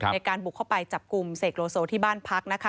ในการบุกเข้าไปจับกลุ่มเสกโลโซที่บ้านพักนะคะ